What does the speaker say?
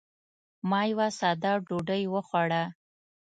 ما یوه ساده ډوډۍ وخوړه.